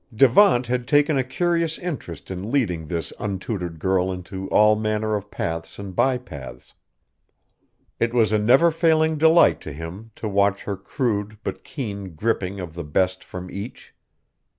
Devant had taken a curious interest in leading this untutored girl into all manner of paths and bypaths. It was a never failing delight to him to watch her crude but keen gripping of the best from each.